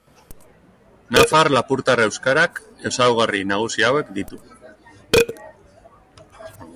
Nafar-lapurtar euskarak ezaugarri nagusi hauek ditu.